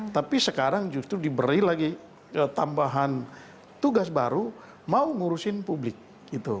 tapi sekarang justru diberi lagi tambahan tugas baru mau ngurusin publik gitu